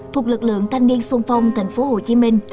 thuộc lực lượng thanh niên sung phong thành phố hồ chí minh